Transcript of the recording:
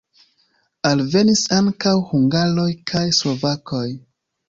Alvenis ankaŭ hungaroj kaj slovakoj.